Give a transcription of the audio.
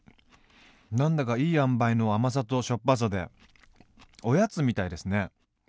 何だかいい塩梅の甘さとしょっぱさでおやつみたいですね。